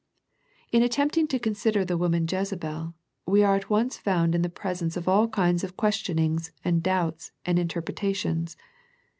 In attempting to consider the woman Jeze bel, we are at once found in the presence of all kinds of questionings and doubts and inter pretations.